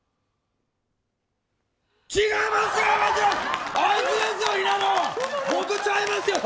違います！